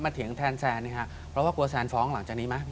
เถียงแทนแซนนะครับเพราะว่ากลัวแซนฟ้องหลังจากนี้ไหม